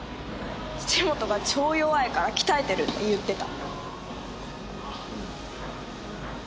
土本がチョー弱いから鍛えてるって言ってた。